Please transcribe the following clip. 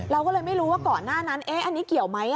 เราก็เลยไม่รู้ว่าก่อนหน้านั้นอันนี้เกี่ยวไหม